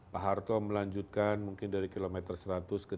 pak harto melanjutkan mungkin dari kilometer seratus ke tiga puluh